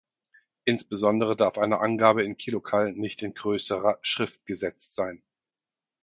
Insbesondere darf eine Angabe in kcal nicht in größerer Schrift gesetzt sein.